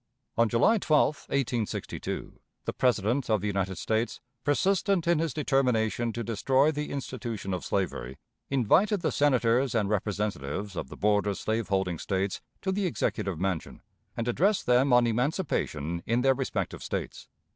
On July 12, 1862, the President of the United States, persistent in his determination to destroy the institution of slavery, invited the Senators and Representatives of the border slaveholding States to the Executive Mansion, and addressed them on emancipation in their respective States.